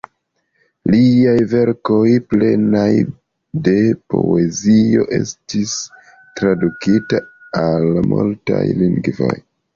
Liaj verkoj, plenaj de poezio, estis tradukitaj al multaj lingvoj.